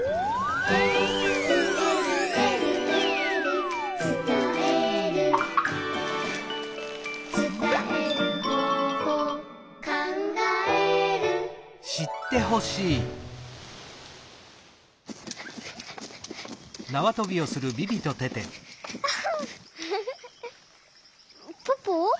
「えるえるえるえる」「つたえる」「つたえる方法」「かんがえる」ポポ？